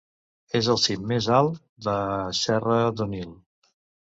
És el cim més alt de Serra d'Onil.